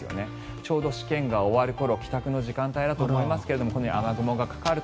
ちょうど試験が終わる頃帰宅の時間帯だと思いますがこのように雨雲がかかると。